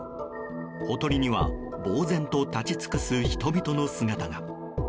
ほとりには、ぼうぜんと立ち尽くす人々の姿が。